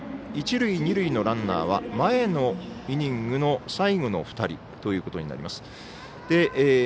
一塁二塁のランナーは前のイニングの最後の２人となります。